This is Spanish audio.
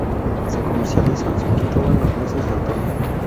Se comercializan sobre todo en los meses de otoño.